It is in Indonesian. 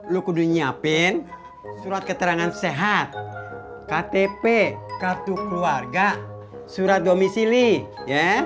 lu kudu nyiapin surat keterangan sehat ktp kartu keluarga surat domisili ya